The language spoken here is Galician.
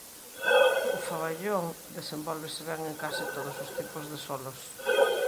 O faballón desenvólvese ben en case todos os tipos de solos.